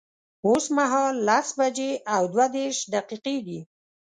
اوس مهال لس بجي او دوه دیرش دقیقی دی